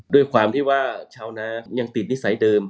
ด้วยความที่ว่าชาวนายังติดนิสัยเดิม